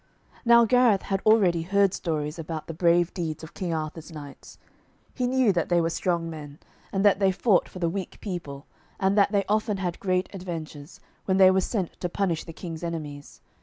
Now Gareth had already heard stories about the brave deeds of King Arthur's knights. He knew that they were strong men, and that they fought for the weak people, and that they often had great adventures, when they were sent to punish the King's enemies.